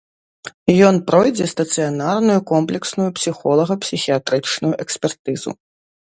Ён пройдзе стацыянарную комплексную псіхолага-псіхіятрычную экспертызу.